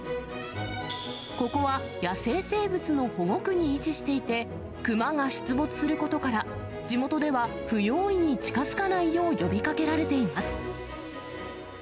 ここは野生生物の保護区に位置していて、クマが出没することから、地元では、不用意に近づかないよう呼びかけられています。